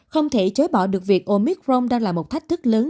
không thể chối bỏ được việc omicron đang là một thách thức lớn